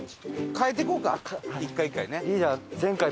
変えていこうか一回一回ね。